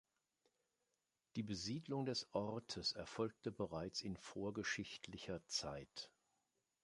Die Besiedlung des Ortes erfolgte bereits in vorgeschichtlicher Zeit.